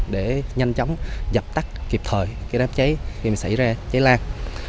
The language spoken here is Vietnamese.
để nhanh chóng dập tắt kịp thời đám cháy khi xảy ra cháy lan